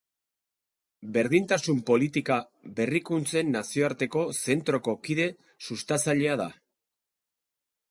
Berdintasun politika Berrikuntzen Nazioarteko Zentroko kide sustatzailea da.